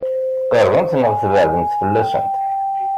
Tqeṛbem neɣ tbeɛdem fell-asen?